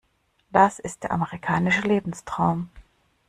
Das ist der amerikanische Lebenstraum.